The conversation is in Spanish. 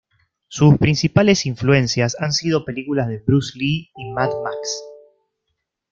Sus principales influencias han sido películas de Bruce Lee, y Mad Max.